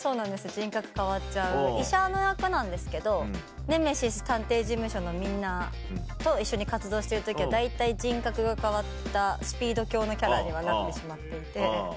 人格変わっちゃう医者の役なんですけどネメシス探偵事務所のみんなと一緒に活動してる時は大体人格が変わったスピード狂のキャラにはなってしまっていて。